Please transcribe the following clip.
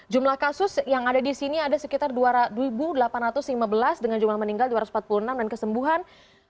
jumlah kasus yang ada di sini ada sekitar dua delapan ratus lima belas dengan jumlah meninggal dua ratus empat puluh enam dan kesembuhan